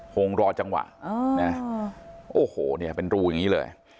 คงรอจังหวะนะโอ้โหเนี่ยเป็นรูอย่างนี้เลย